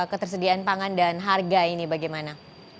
ketersediaan pangan dan harga ini bagaimana